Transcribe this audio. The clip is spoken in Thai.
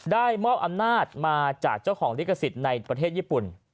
ได้มอบอำนาจมาจากเจ้าของลิขสิทธิ์ในประเทศญี่ปุ่น